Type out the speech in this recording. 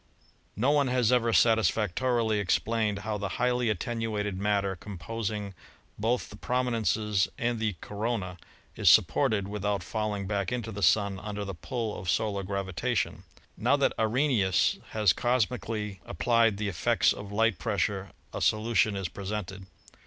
No one has ever satisfactorily explained how the highly attenuated matter composing both the prominences and the corona is supported without falling back into the Sun under the pull of solar gravitation. Now that Arrhenius has cosmically applied the effects of light pressure a solution is presented.